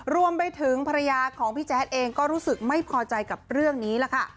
รวมไปถึงภรรยาของพี่แจ๊ดเองก็รู้สึกไม่พอใจกับเรื่องนี้ล่ะค่ะ